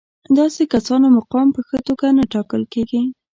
داسې کسانو مقام په ښه توګه نه ټاکل کېږي.